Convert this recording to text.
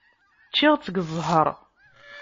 Ččiɣ-tt deg zzheṛ.